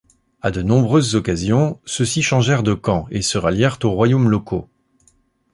À de nombreuses occasions, ceux-ci changèrent de camp et se rallièrent aux royaumes locaux.